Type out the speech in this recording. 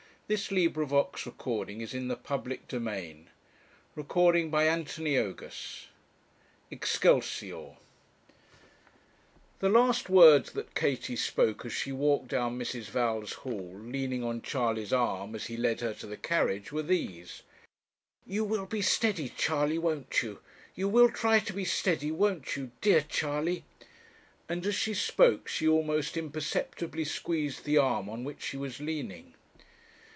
It was clearly time for them to go home, so away they all went. CHAPTER XXVII EXCELSIOR The last words that Katie spoke as she walked down Mrs. Val's hall, leaning on Charley's arm, as he led her to the carriage, were these 'You will be steady, Charley, won't you? you will try to be steady, won't you, dear Charley?' and as she spoke she almost imperceptibly squeezed the arm on which she was leaning.